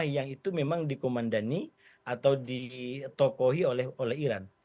yang itu memang dikomandani atau ditokohi oleh iran